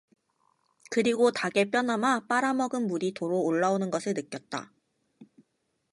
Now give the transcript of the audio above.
그리고 닭의 뼈나마 빨아 먹은 물이 도로 올라오는 것을 느꼈다.